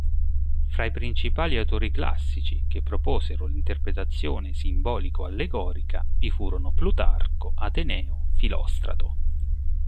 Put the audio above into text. Fra i principali autori classici che proposero l'interpretazione simbolico-allegorica vi furono Plutarco, Ateneo, Filostrato.